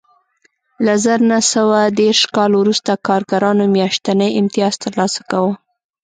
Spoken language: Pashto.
له زر نه سوه دېرش کال وروسته کارګرانو میاشتنی امتیاز ترلاسه کاوه